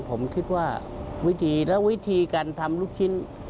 ผมคิดว่าวิธีและวิธีการทำลูกชิ้น